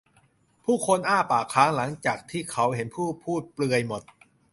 ผู้คนอ้าปากค้างหลังจากที่เขาเห็นผู้พูดเปลือยหมด